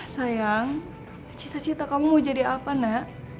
sayang cita cita kamu mau jadi apa nak